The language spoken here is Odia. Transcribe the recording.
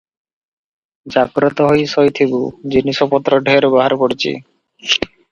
ଜାଗ୍ରତ ହୋଇ ଶୋଇଥିବୁ, ଜିନିଷପତ୍ର ଢେର ବାହାରେ ପଡ଼ିଛି ।"